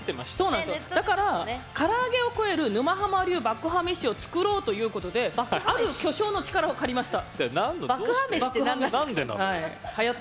だから、唐揚げを超える沼ハマ流爆破メシを作ろうということである巨匠の力を借りました。